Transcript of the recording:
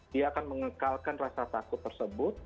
dia akan mengekalkan rasa takut tersebut